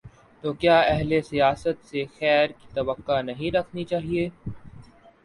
تو کیا اہل سیاست سے خیر کی توقع نہیں رکھنی چاہیے؟